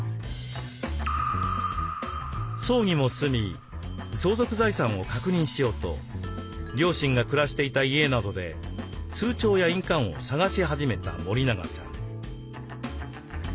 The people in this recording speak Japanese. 葬儀も済み相続財産を確認しようと両親が暮らしていた家などで通帳や印鑑を探し始めた森永さん。